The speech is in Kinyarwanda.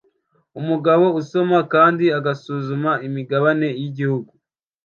Umugabo usoma kandi ugasuzuma imigabane yigihugu